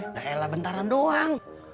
nggak elah bentaran doang